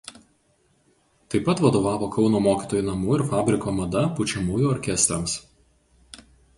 Taip pat vadovavo Kauno mokytojų namų ir fabriko „Mada“ pučiamųjų orkestrams.